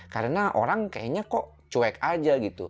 karena orang kayaknya kok cuek aja gitu